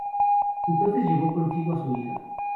Entonces llevó consigo a su hija.